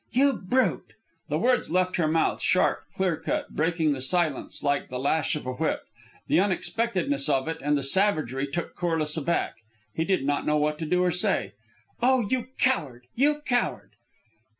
"You brute!" The words left her mouth, sharp, clear cut, breaking the silence like the lash of a whip. The unexpectedness of it, and the savagery, took Corliss aback. He did not know what to do or say. "Oh, you coward! You coward!"